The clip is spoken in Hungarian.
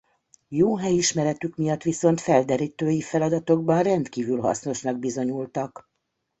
Jó helyismeretük miatt viszont felderítői feladatokban rendkívül hasznosnak bizonyultak.